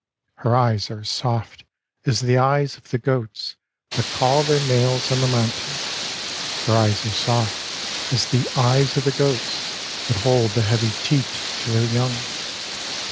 Her eyes are soft as the eyes of the goats That call their males on the mountain, Her eyes are soft as the eyes of the goats That hold the heavy teat to their young.